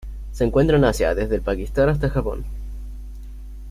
Se encuentra en Asia, desde el Pakistán hasta Japón.